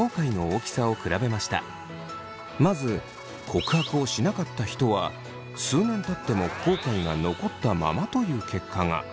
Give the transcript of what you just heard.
まず告白をしなかった人は数年たっても後悔が残ったままという結果が。